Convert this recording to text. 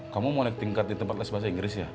kamu mau naik tingkat di tempat les bahasa inggris ya